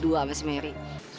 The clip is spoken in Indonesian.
dua mas mary